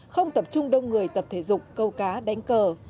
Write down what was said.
không tập trung đông người tập thể dục câu cá đánh cờ